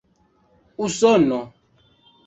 usono